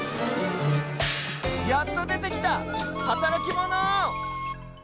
やっとでてきたはたらきモノ！